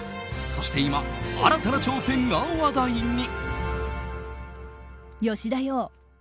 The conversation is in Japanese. そして今、新たな挑戦が話題に。